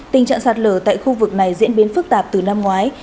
tình trạng sạt lở tại khu vực này diễn biến phức tạp từ năm ngoái